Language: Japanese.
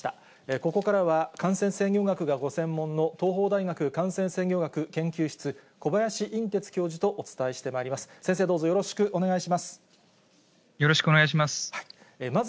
ここからは、感染制御学がご専門の、東邦大学感染制御学研究室、小林寅てつ教授とお伝えしてまいります。